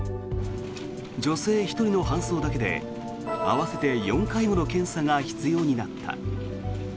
女性１人の搬送だけで合わせて４回もの検査が必要になった。